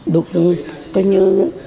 được coi như